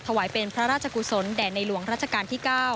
ถวายเป็นพระราชกุศลแด่ในหลวงรัชกาลที่๙